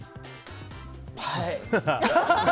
はい。